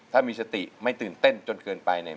ถ้ามีสติไม่ตื่นเต้นจนเกินไปเนี่ย